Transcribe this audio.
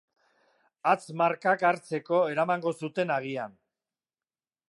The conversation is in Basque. Hatz-markak hartzeko eramango zuten agian.